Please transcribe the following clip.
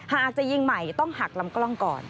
หากจะยิงใหม่ต้องหักลำกล้องก่อน